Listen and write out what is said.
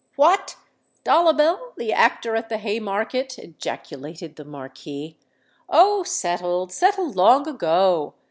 "What! Dollabel, the actor at the Haymarket!" ejaculated the Marquis. "Oh! settled—settled long ago.